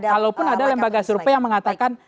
kalaupun ada lembaga survei yang mengatakan